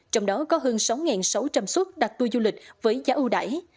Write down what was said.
trong đó có hơn sáu sáu trăm linh suốt đặt tour du lịch với giá ưu đẩy